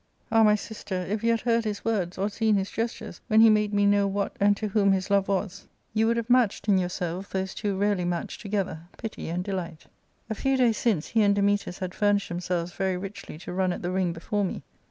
Sook IL 141 Ah, my sister, if you had heard his words, or seen his ges tures, when he made me know what and to whom his love was, you would have matched in yourself those two rarely., matched together — pity and delight "A few days since he and Dametas had furnished them selves very richly to run ?t the .ring before me.